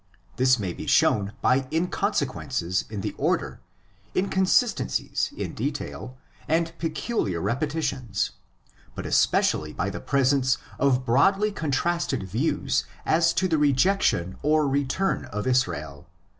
This may be shown by inconsequences in the order, incon sistencies in detail, and peculiar repetitions; but especially by the presence of broadly contrasted views as to the rejection or return of Israel.